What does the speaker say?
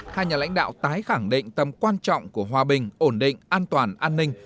hai nhà lãnh đạo tái khẳng định tầm quan trọng của hòa bình ổn định an toàn an ninh